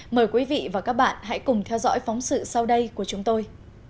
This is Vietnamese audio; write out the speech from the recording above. mời quý vị và các bạn hãy cùng theo dõi phóng sự sau đây của chúng tôi